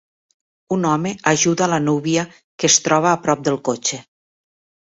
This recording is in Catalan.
Un home ajuda la núvia que es troba a prop del cotxe.